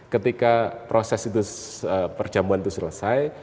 ketika proses itu perjamuan itu selesai